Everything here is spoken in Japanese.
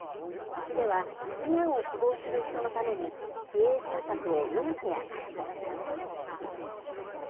市では、避難を希望する人のために、市営住宅を４部屋確保しました。